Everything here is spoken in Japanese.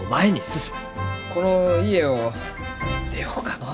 この家を出ようかのう。